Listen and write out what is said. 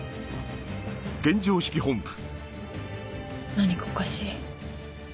何かおかしい。